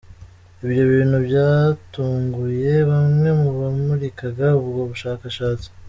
Ibyo bintu byatunguye bamwe mu bamurikaga ubwo bushakashatsi.